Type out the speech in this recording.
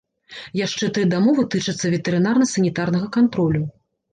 Яшчэ тры дамовы тычацца ветэрынарна-санітарнага кантролю.